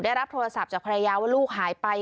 ได้รับโทรศัพท์จากภรรยาว่าลูกหายไป